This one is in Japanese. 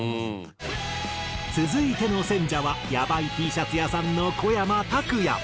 続いての選者はヤバイＴシャツ屋さんのこやまたくや。